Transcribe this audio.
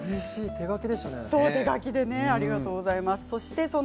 手書きでありがとうございます。